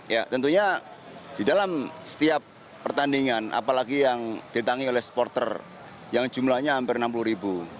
ya tentunya di dalam setiap pertandingan apalagi yang ditangi oleh supporter yang jumlahnya hampir enam puluh ribu